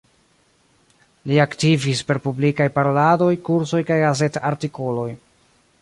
Li aktivis per publikaj paroladoj, kursoj kaj gazet-artikoloj.